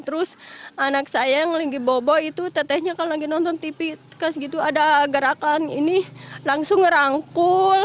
terus anak saya yang lagi bobo itu tetehnya kalau lagi nonton tv kas gitu ada gerakan ini langsung ngerangkul